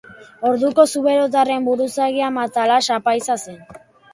Orduko zuberotarren buruzagia Matalas apaiza zen.